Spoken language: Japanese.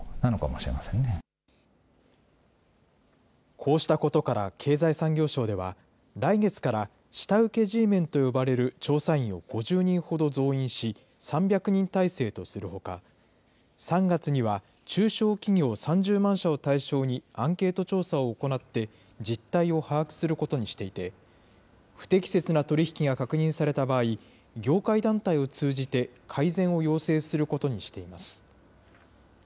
こうしたことから経済産業省では、来月から下請けＧメンと呼ばれる調査員を５０人ほど増員し、３００人体制とするほか、３月には中小企業３０万社を対象にアンケート調査を行って、実態を把握することにしていて、不適切な取り引きが確認された場合、業界団体を通じて改善を要請することにしています。